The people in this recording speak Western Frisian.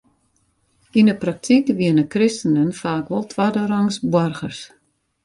Yn de praktyk wienen kristenen faak wol twadderangs boargers.